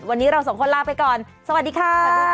วันนี้เราสองคนลาไปก่อนสวัสดีค่ะ